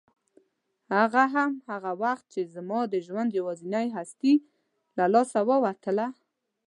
هغه هم هغه وخت چې زما د ژوند یوازینۍ هستي له لاسه ووتله.